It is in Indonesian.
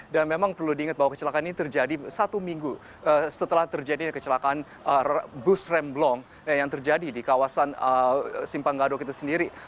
dan memang perlu diingat bahwa kecelakaan ini terjadi satu minggu setelah terjadi kecelakaan bus remblong yang terjadi di kawasan simpanggado kita sendiri